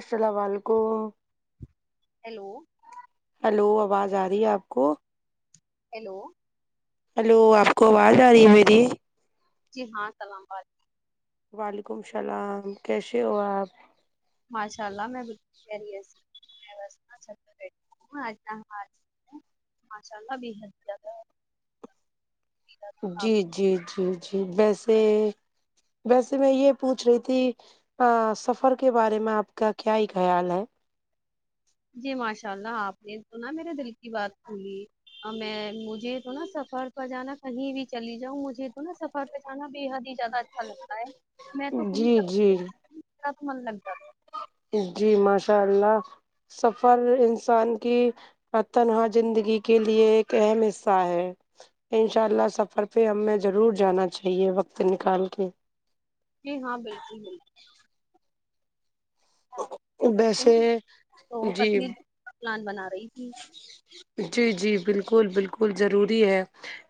السلام علیکم hello hello آواز آ رہی ہے آپ کو ہیلو ہیلو آپ کو آواز آ رہی ہے میری جی ہاں سلام علیکم وعلیکم السلام کیسے ہو آپ ماشاء اللہ میں بلکال خیریت سے ہوں [unintelligible] ماشاء اللہ بےحد زیادہ آپ جی جی جی جی ویسے ویسے میں یہ پوچھ رہی تھی سفر کے بارے میں آپ کا کیا ہی خیال ہے جی ماشاء اللہ آپ نے توناا میرے دل کی بات سنی اور میں مجھے تو نا سفر پرہ جانا کہیں بھی چلی جاؤں مجھے تو نا سفر پہ جانا بے حدی زیادہ اچھا لگتا ہے میں تو جی جی [unintelligible] من لگ جاتا ہے جی ماشاء اللہ سفر انسان کی ا تنہا زندگی کے لیے ایک اہم حصہ ہے ان شاء اللہ سفر پہ ہمیں ضرور جانا چاہیے وقت نکال کے جی ہاں بالکل بالکل اچھے ویسے نا تو جی کشمیر پلان بنا رہی تھی جی جی بالکل بالکل ضروری ہے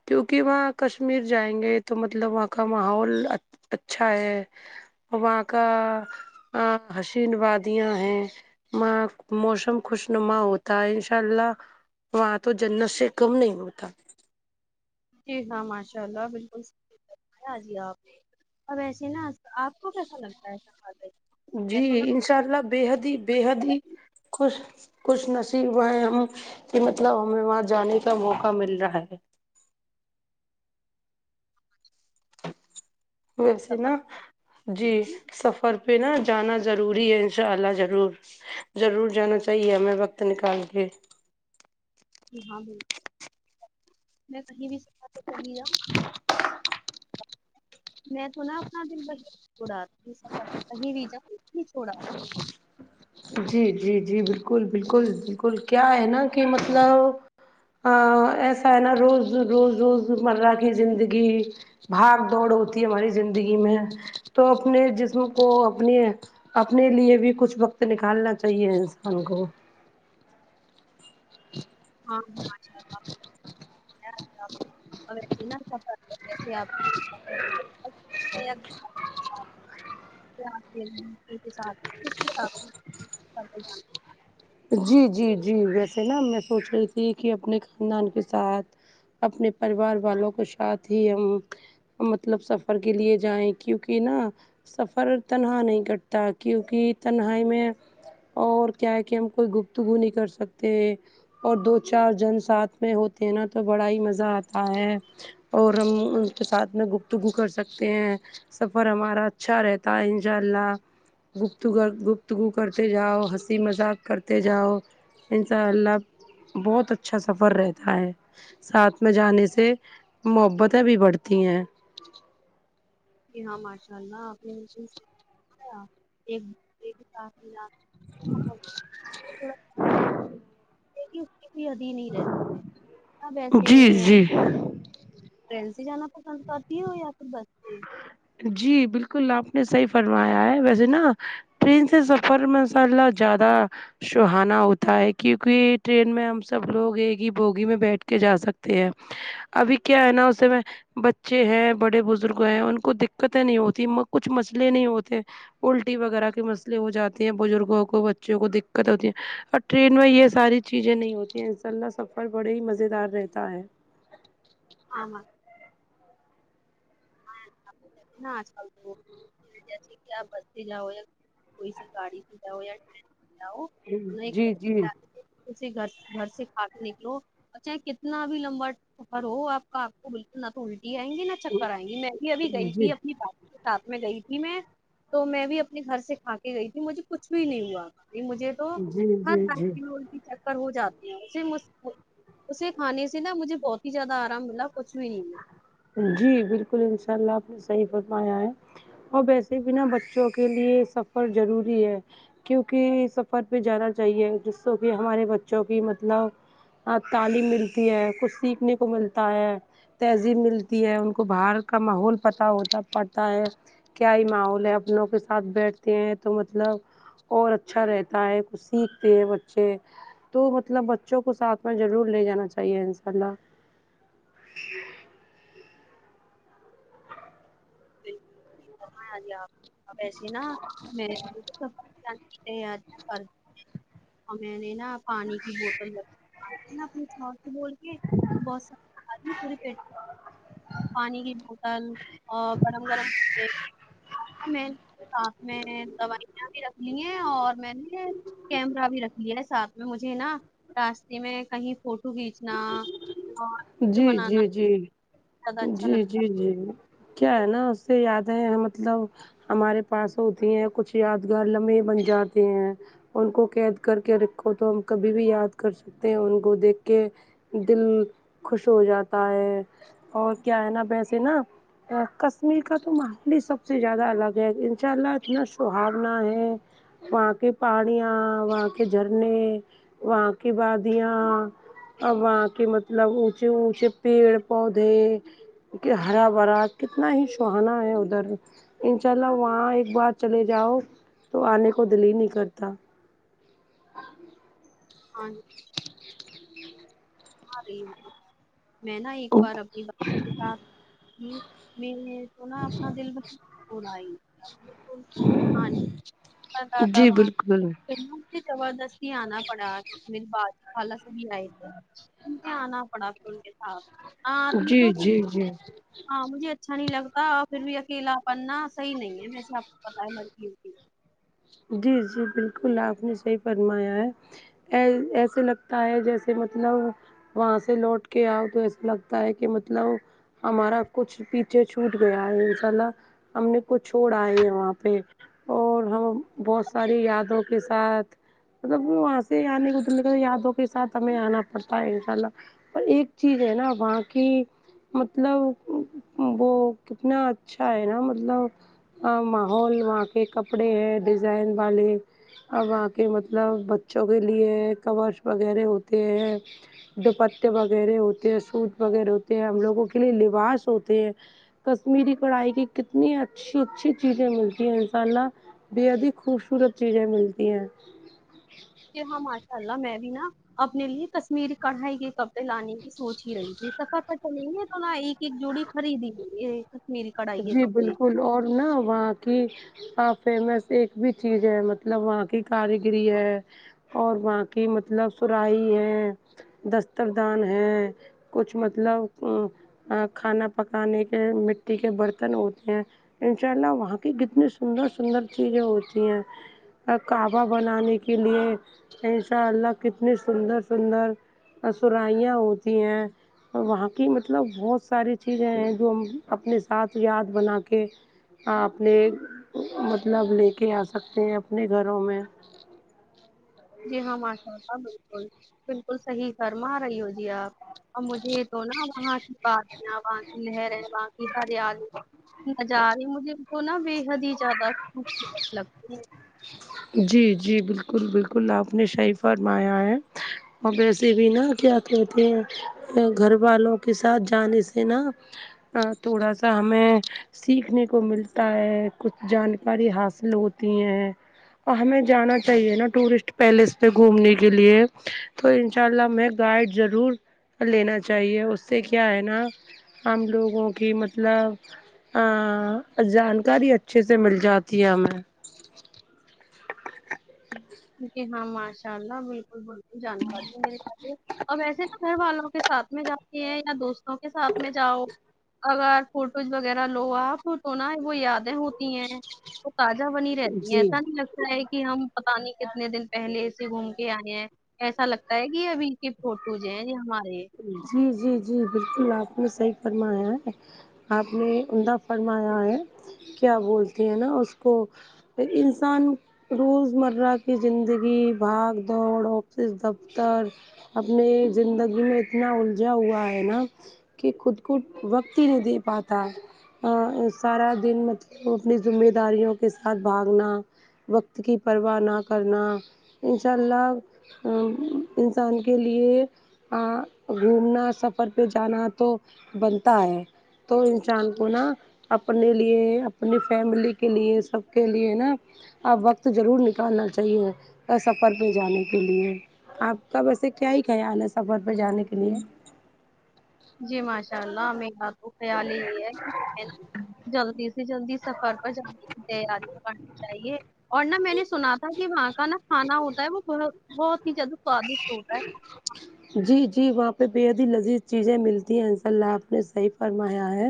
کیونکہ وہاں کشمیر جائیں گے تو مطلب وہاں کا ماحول اچھا ہے اور وہاں کا حشین وادیاں ہیں موسم خوش نما ہوتا ہے ان ان شاء اللہ وہاں تو جنت سے کم نہیں ہوتا جی ہاں ماشاء اللہ بالکل صحیح فرمایا باجی آپ اور وسے نا آپ آپ کو کیسا لگتا ہے ایسا ای تو نا بے حد ہی بےحد ہی خوش کچھ نصیب ہیں ہم کہ مطلب ہمیں وہاں جانے کا موقع مل رہا ہے ویسے نا سفر جی پہ سفر پہ نا جانا ضروری ہے ان شاء اللہ ضرور ضرور جانا چاہیے ہمیں وقت نکال کے جی ہاں بالکل میں کہیں بھی [unintelligible] میں تو نا اپنا دل وہی چھڑاتی ہوں سفر کہیں بھی جا نہیں چھوڑا جی جی جی بالکل بالکل بالکل کیا ہے نا کہ مطلب ہ ایسا ہے نا روز روز روز مرہ کی زندگی بھاگ دوڑ ہوتی ہے ہماری زندگی میں تو اپنے جسم کو اپنی اپنے لیے بھی کچھ وقت نکالنا چاہیے انسان کو ہاں اور ویسے نا سفر ویسے آپ کو یا [inaudible] جی جی جی ویسے نا میں سونچ رہی تھی کہ اپنے خاندان کے ساتھ اپنے پریوار والوں کو ساتھ ہی مطلب سفر کے لیے جائیں کیونکہ نا سفر تنہا نہیں کٹتا کیونکہ تنہائی میں اور کیا ہے کہ ہم کوئی گفتگو نہیں کر سکتے اور دو چار جن ساتھ میں ہوتے نا تو بڑا ہی مزہ آتا ہے اور ہم ان کے ساتھ میں گفتگو کر سکتے ہیں سفر ہمارا اچھا رہتا ہے انشاء اللہ گفتگو گفتگو کرتے جاؤ ہنسی مذاق کرتے جاؤ ان شاء اللہ بہت اچھا سفر رہتا ہے ساتھ میں جانے سے محبتیں بھی بڑھتی ہیں جی ہاں ماشاء اللہ آپ نے بلکل صحیح فرمایا [unintelligible] [unintelligible] کوئی ادھی نہیں رہتے اب ایسے جی جی ٹرین سے جانا پسند کرتی ہو یا پھر بس سے جی بالکل آپ نے صحیح فرمایا ہے ویسے نا ٹرین سے سفر مسالہ زیادہ سہانا ہوتا ہے کیونکہ ٹرین میں ہم سب لوگ ایک ہی بوگی میں بیٹھ کے جا سکتے ہیں ابھی کیا ہے نا اسے میں بچے ہیں بڑے بزرگ ہیں ان کو دکھ قتیں نہیں ہوتی کچھ مسئلے نہیں ہوتے الٹی وغیرہ کے مسئلے ہو جاتے ہیں بزرگوں کو بچوں کو دقت ہوتی ہے ٹرین میں یہ ساری چیزیں نہیں ہوتی ہیں ماشاءاللہ سفر بڑے ہی مزے دار رہتا ہے آ م آج کل تو جسے کہ آپ بس سے جاؤ یا کوئی گاڑی سے جاؤ یا ٹ جی جی [unintelligible] گھر سے کھا کے نکلو اچھا کتنا بھی لمبا سفر ہو آپ کا آپکو بالکل نہ تو الٹی آئیں گی نہ جی کرئیں گی میں بھی ابھی گئی تھی اپنی باجی کے ساتھ میں گئی تھی میں تو میں بھی اپنے گھر سے کھا کے گئی تھی مجھے کچھ بھی نہیں ہوا کی مجھے تو جی ہر جی جی ہالک الٹی چکر ہو جاتی ہے اسے م اسے کھانے سے نہا مجھے بہت ہی زیادہ آرام ملا کچھ بھی نہیں ہوا جی بالکل انشاء اللہ آپ نے صحیح فرمایا ہے اور ویسے بھی ںا بچوں کے لیے سفر ضروری ہے کیونکہ سفر پے جانا چاہیے جس سے کہ ہمارے بچوں کی مطلب تعلیم ملتی ہے کچھ سیکھنے کو ملتا ہے تہذیب ملتی تی ہے ان کو باہر کا ماحول پتا ہوتا پڑتا ہے کیا ہی ماحول ہے اپنوں کے ساتھ بیٹھتے ہیں تو مطلب اور اچھا رہتا ہے کچھ سیکھتے ہیں بچے تو مطلب بچوں کو ساتھ میں ضرور لے جانا چاہیے انشاء اللہ فرمایا گیا اب اسے نا میں بھی اور میں نے نا پانی کی بوتل رکھ اپنا تو سچ بول کے بوٹ کو تو پورے دیش پانی کی بوتل اور گرم گرم بھجے ساتھ میں دوائیاں بھی رکھلی ہیں اور میں نے کیمرہ بھی رکھ لیا ہے ساتھ میں مجھے نا راستے میں کہیں فوٹو کھینچنا اور ویڈیو جی جی بنانا جی زیادہ اچھا جی لگتا جی ہے جی کیا ہے نا اس سے یاد ہے مطلب ہمارے پاس ہوتی ہیں کچھ یادگار لمبحے بن جاتے ہیں ان کو قید کر کے رکھو تو ہم کبھی بھی یاد کر سکتے ہیں ان کو دیکھ کے دل خوش ہو جاتا ہے اور کیا ہے نا ویسے نا کشمیر کا تو ماحول ہی سب سے زیادہ الگ ہے انشاء اللہ اتنا سہانا ہے وہاں کی پہاڑیاں وہاں کے جھرنے وہاں کی وادیاں اور وہاں کے مطلب اونچے اونچے پیڑ پودے کہ ہرا بھرا کتنا ہی سہانا ہے ادھر انشاء اللہ وہاں ایک بار چلے جاؤ تو آنے کو دل ہی نہیں کرتا ہاں جی میں نا ایک بار اپنی باجی کے ساتھ پھر میں تو نا اپنا دل بولی تھی نا ہاں جی بالکل زبردستی آنا پڑا کیونکہ میرے باجی قالا سبھی آئے تھے ہ آنا پڑا پ ان کے ساتھ جی جی جی ہاں مجھے اچھا نہیں لگتا اور پھر بھی اکیلا پن نا صحیح نہیں ہے ویسے آپ کو پتا ہے لڑکیوں کے جی جی بالکل آپ نے صحیح فرمایا ہے اے ایسے لگتا ہے جیسے مطلب وہاں سے لوٹ کے آؤ تو ایسا لگتا ہے کہ مطلب ہمارا کچھ پیچھے چھوٹ گیا ہے ان شاء اللہ ہم نے کچھ چھوڑ آے ہے وہاں پہ اور ہم بہت ساری یادوں کے ساتھ مطلب وہاں سے آنے کو تو دل یادوں کے ساتھ ہمیں آنا پڑتا ہے انشا اللہ پر ایک چیز ہے نا وہاں کی مطلب و و وہ کتنا اچھا ہے نا مطلب ماحول وہاں کے کپڑے ہیں ڈیزائن والے اب وہاں کے مطلب بچوں کے لیے کورس وغیرہ ہوتے ہیں دوپتے وغیرہ ہوتے ہیں سوٹ وغیرہ ہوتے ہیں ہم لوگوں کے لیے لباس ہوتے ہیں کشمیری کڑھائی کی کتنی اچھی اچھی چیزیں ملتی ہیں ان شاء اللہ خوبصورت چیزیں ملتی ہیں ج ہاں ماشاء اللہ میں بھی نا اپنے لیے کشمیری کڑھائی کے کپڑے لانے کی سوچ ہی رہی تھی سفر پر چلیں گے تو نا ایک ایک جوڑی خرید ینگےکشمیری کڑھائی کے جی کپڑے بالکل اور نہ وہاں کہ ہ فیمس ایک بھی چیز ہے مطلب وہاں کی کاریگری ہے اور وہاں کی مطلب سراحی ہے دستردان ہے کچھ مطلب کھانا پکانے کے مٹی کے برتن ہوتے ہیں انشاء اللہ وہاں کی کتنی سندر سندر چیزیں ہوتی ہیں کعبہ بنانے کے لیے ان شاء اللہ کتنے سندر سندر سرائیاں ہوتی ہیں وہاں کی مطلب بہت ساری چیزیں ہیں جو ہم اپنے ساتھ یاد بنا کے آاپنے م مطلب لے کے آ سکتے ہیں اپنے گھروں میں جی ہاں ماشاء اللہ بالکل بالکل صحیح فرما رہی ہو جی آپ اور مجھے تو نا وہاں کی پارٹیاں وہاں کی لہریں وہاں کی ہریالی نظارے مجھے ان کو نا بے حد ہی زیادہ خوبصورت لگتی ہیں جی جی بالکل بالکل آپ نےصحیح فرمایا ہے اور ویسے بھی نا کیا کہتے ہیں گھر والوں کے ساتھ جانے سے نا ا تھوڑا سا ہمیں سیکھنے کو ملتا ہے کچھ جانکاری حاصل ہوتی ہیں ہمیں جانا چاہیے نا ٹورسٹ پیلس پہ گھومنے کے لیے تو انشاء اللہ ہمیں گائڈ ضرور لینا چاہیے اس سے کیا ہے نا ہم لوگوں کی مطلب ہاں جانکاری اچھے سے مل جاتی ہے ہمیں جی ہاں ماشاء اللہ بالکل بالکل جانکاری مل جاتی ہے اور ویسے نہ گھر والوں کے ساتھ میں جاتی ہے یا دوستوں کے ساتھ میں جاؤ اگر فوٹوز وغیرہ لو آ پ تو نا وہ یادیں ہو تی ہیں تو تازہ بنی رہتی ہیں جی ایسا نہیں لگتا ہے کہ ہم پتہ نہیں کتنے دن پہلے سے گھوم کے آئے ہیں ایسا لگتا ہے کہ ابھی کے فوٹوز ہیں ہمارے جی جی جی بالکل آپ نے صحیح فرمایا ہے آپ نے عمدہ فرمایا ہے کیا بولتی ہیں نا اس کو پھر انسان روز مرہ کی زندگی بھاگ دوڑ آفس دفتر اپنے زندگی میں اتنا الجھا ہوا ہے نا کہ خود کو وقت ہی نہیں دے پاتا ہے سارا دن مطلب اپنی ذمہ داریوں کے ساتھ بھاگنا وقت کی پرواہ نہ کرنا انشاء اللہ انسان کے لیے گھومنا سفر پہ جانا تو بنتا ہے تو انسان کو نا اپنے لیے اپنی فیملی کے لیے سب کے لیے نا اب وقت ضرور نکالنا چاہیے سفر پہ جانے کے لیے آپ کا ویسے کیا ہی خیال ہے سفر پے جانے کے لیے جی ماشاء اللہ میرا تو خیال ہی یے ہے نا جلدی سے جلدی جی سفر پر جانے تیار نہ کرنا چاہیے اور نہ میں نے سنا تھا کہ وہاں کا نہ کھانا ہوتا ہے وہ تھوڑا بہت ہی زیادہ سوادشٹ ہوتا ہے جی جی وہاں پے بےحد ہی لذیذ چیزیں ملتی ہیں انشاء اللہ آپ نے صحیح فرمایا ہے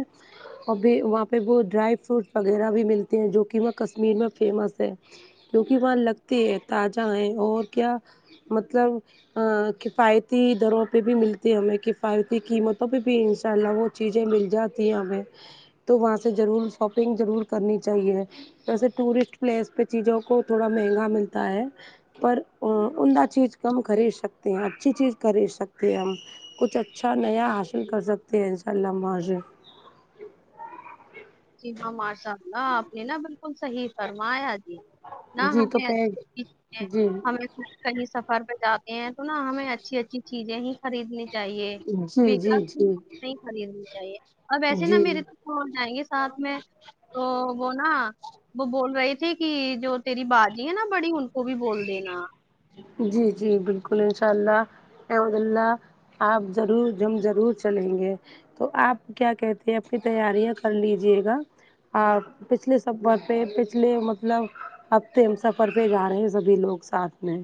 اور بھی وہاں پے وہ ڈرائی فروٹ وغیرہ بھی ملتے ہیں جو کی وہ کشمیر میں فیمس ہے کیونکی وہاں لگتے ہے تازہ ہے اور کیا مطلب آ کفایتی دروں پے بھی ملتی ہمیں کفایتی قیمتوں پے بھی انشاء اللہ وہ چیزیں مل جاتی ہیں ہمیں تو وہاں سے ضرور شاپنگ ضرور کرنی چاہیے ویسے ٹورسٹ پلیس پے چیزوں کو تھوڑا مہنگا ملتا ہے پر عمدہ چیز کم خرید سکتے ہیں اچھی چیز خرید سکتے ہیں ہم کچھ اچھا نیہ حاصل کر سکتے ہیں ان شاء اللہ ہم وہاں سے جی ہاں ماشاللہ اپنے نہ بالک کل صحیح فرمایا جی نہ جی تو ہمیں پہ اچھے [unintelligible] جی ہمیں کہیں سفر پے جاتے ہیں تو نہ ہمیں اچھی اچھی چیزیں ہی خریدنی چاہیے جی بیکر جی چیز جی نہیں خریدنی چاہیے اور وسے نہ جی میرے وہ جائیں گے ساتھ میں تو وہ نا وہ بول رہی تھی کی جو تیری باجی ہے نا بڑی ان کو بھی بول دینا جی جی بالکل انشاء اللہ اللہ آپ ضرور جم ضرور چلیں گے [unintelligible] تو آپ کیا کہتی ہیں اپنی تیاریاں کر لیجیے گا آپ پچھلے سفر پے پچھلے مطلب ہفتے سفر پے جا رہے سبھی لوگ ساتھ میں ہے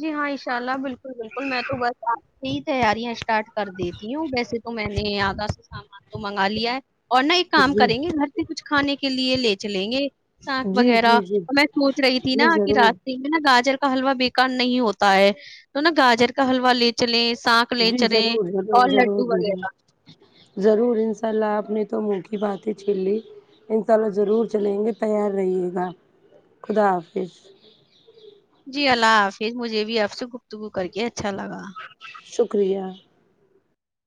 جی ہاں انشاء اللہ بالکل بالکل میں تو بس آ ج سے ہی تیاریاں اسٹارٹ کر دیتی ہوں ویسے تو میں نے آدھا سے سامان تو منگا لیا ہے اور نہ ایک کام جی کریں گے گھر پے کچھ کھانے کے لیے لے چلیں گے ساگ جی وغیرہ جی جی اور میں سوچ رہی تھی نا جی کی ضرور راستے میں نا گاجر کا حلوا بے کار نہیں ہوتا ہے تو نا گاجر کا حلوا لے چلیں ساگ لے جی چلیں ضرور ضرور اور ضرور لڈو ضرور وغیرہ ضرور ان شاء اللہ آپ نے تو منہ کی بات ہی چھین لی انشاء اللہ ضرور چلیں گے تیار رہیے گا خدا حافظ جی اللہ حافظ مجھے بھی آپ سے گفتگو کر کے اچھا لگا شکریہ